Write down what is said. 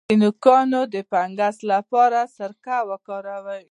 د نوکانو د فنګس لپاره سرکه وکاروئ